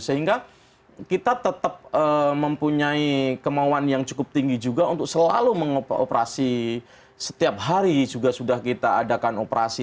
sehingga kita tetap mempunyai kemauan yang cukup tinggi juga untuk selalu mengoperasi setiap hari juga sudah kita adakan operasi